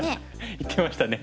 言ってましたね。